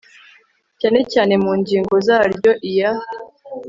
cyane cyane mu ngingo zaryo iya